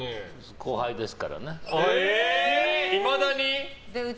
後輩ですからね。